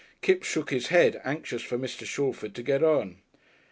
Kipps shook his head, anxious for Mr. Shalford to get on.